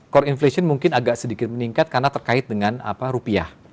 core inflation mungkin agak sedikit meningkat karena terkait dengan rupiah